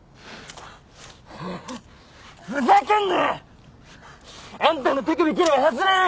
ふざけんな！あんたの手首切れば外れるよ！